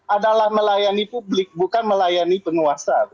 adalah melayani publik bukan melayani penguasa